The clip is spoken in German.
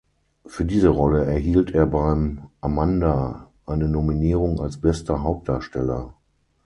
Für diese Rolle erhielt er beim Amanda eine Nominierung als bester Hauptdarsteller.